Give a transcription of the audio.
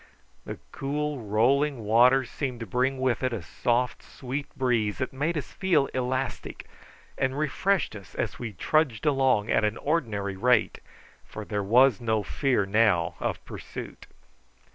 The cool rolling water seemed to bring with it a soft sweet breeze that made us feel elastic, and refreshed us as we trudged along at an ordinary rate, for there was no fear now of pursuit.